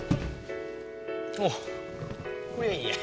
おっこりゃいいや。